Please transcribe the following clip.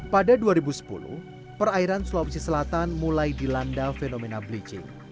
pada dua ribu sepuluh perairan sulawesi selatan mulai dilanda fenomena bleaching